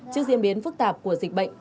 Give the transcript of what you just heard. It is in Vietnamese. trước diễn biến phức tạp của dịch bệnh